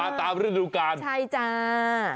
มาตามฤดลูกการณ์ใช่จ้า